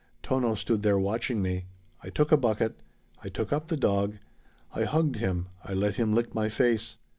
Tono stood there watching me. I took a bucket. I took up the dog. I hugged him. I let him lick my face.